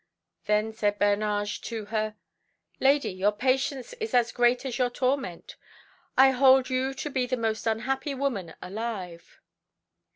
Then said Bernage to her "Lady, your patience is as great as your torment. I hold you to be the most unhappy woman alive."